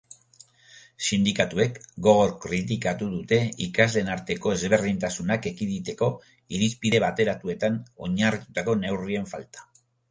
Sindikatuek gogor kritikatu dute ikasleen arteko ezberdintasunak ekiditeko irizpide bateratuetan oinarritutako neurrien falta.